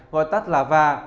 gọi tắt là va